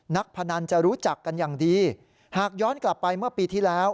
พนันจะรู้จักกันอย่างดีหากย้อนกลับไปเมื่อปีที่แล้ว